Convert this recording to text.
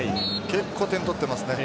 結構、点取っています。